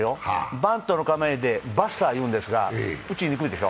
バントの構えで、バスター言うんですが、打ちにくいでしょ。